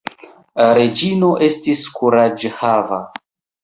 Reĝino estis kuraĝhava.